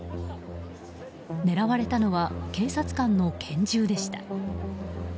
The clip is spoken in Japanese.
狙われたのは警察官の拳銃でした。